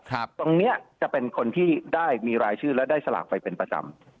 ตรงนี้จะเป็นคนที่ได้มีรายชื่อและได้สลากไปเป็นประจำ